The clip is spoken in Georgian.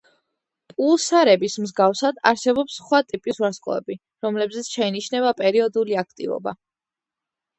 პულსარების მსგავსად, არსებობს სხვა ტიპის ვარსკვლავები, რომლებზეც შეინიშნება პერიოდული აქტივობა.